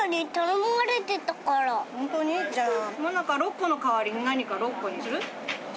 もなか６個の代わりに何か６個にする？